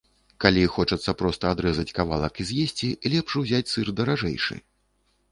Калі хочацца проста адрэзаць кавалак і з'есці, лепш узяць сыр даражэйшы.